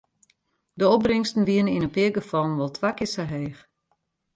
De opbringsten wiene yn in pear gefallen wol twa kear sa heech.